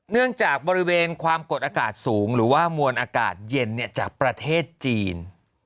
เนื่องจากบริเวณความกดอากาศสูงหรือว่ามวลอากาศเย็นจากประเทศจีน